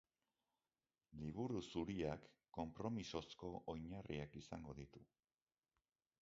Liburu Zuriak konpromisozko oinarriak izango ditu.